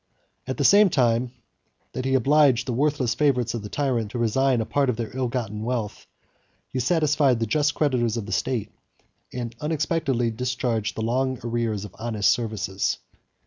At the same time that he obliged the worthless favorites of the tyrant to resign a part of their ill gotten wealth, he satisfied the just creditors of the state, and unexpectedly discharged the long arrears of honest services.